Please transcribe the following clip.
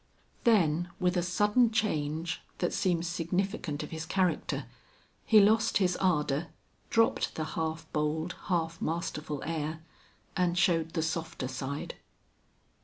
Then with a sudden change, that seemed significant of his character, he lost his ardor, dropped the half bold, half masterful air, and showed the softer side.